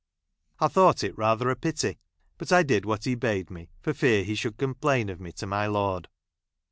I thought it rather a pity ; but I did what he bade me, for fear he should complain of me to my lord.